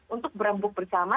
untuk berembuk berikutnya